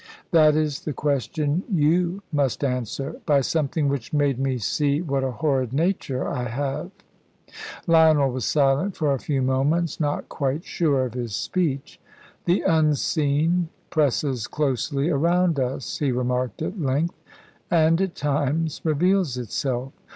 "That is the question you must answer. By something which made me see what a horrid nature I have." Lionel was silent for a few moments, not quite sure of his speech. "The Unseen presses closely around us," he remarked at length, "and at times reveals itself.